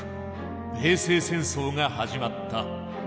米西戦争が始まった。